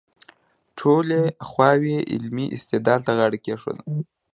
ټولې خواوې علمي استدلال ته غاړه کېږدي.